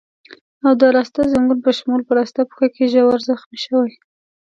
او د راسته ځنګون په شمول په راسته پښه کې ژور زخمي شوی.